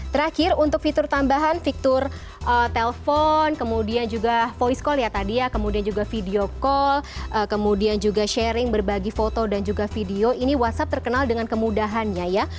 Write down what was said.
terakhir untuk fitur tambahan fitur telpon kemudian juga voice call ya tadi ya kemudian juga video call kemudian juga sharing berbagi foto dan juga video ini whatsapp terkenal dengan kemudahannya ya